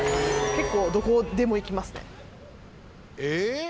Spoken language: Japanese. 結構どこでも行きますね。